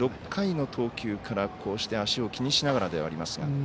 ６回の投球から足を気にしながらではありますが。